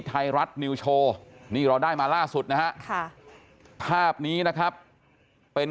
ไทยรัฐนิวโชว์นี่เราได้มาล่าสุดนะฮะภาพนี้นะครับเป็น